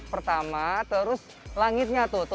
pertama terus langitnya tuh